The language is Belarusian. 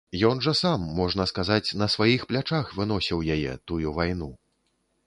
Ён жа сам, можна сказаць, на сваіх плячах выносіў яе, тую вайну.